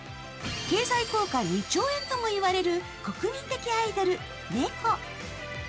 経済効果２兆円とも言われる国民的アイドル・猫。